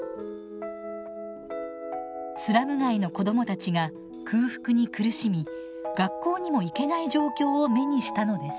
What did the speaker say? スラム街の子どもたちが空腹に苦しみ学校にも行けない状況を目にしたのです。